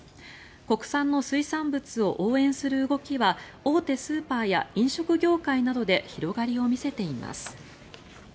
国産の水産物を応援する動きは大手スーパーや飲食業界などで広がりを見せています。